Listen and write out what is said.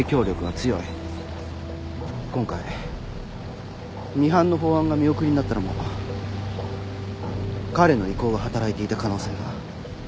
今回ミハンの法案が見送りになったのも彼の意向が働いていた可能性が。